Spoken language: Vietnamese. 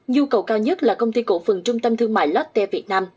nhu cầu cao nhất là công ty cổ phần trung tâm thương mại lotte việt nam